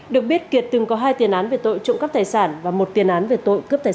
được biết kiệt từng có hai tiền án về tội trộm cắp tài sản và một tiền án về tội cướp tài sản